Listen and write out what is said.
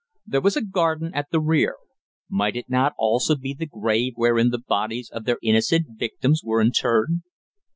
There was a garden at the rear. Might it not also be the grave wherein the bodies of their innocent victims were interred?